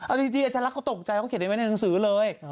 อัศรัทธิ์เขาตกใจเขาเขียนไว้ในหนังสือเลย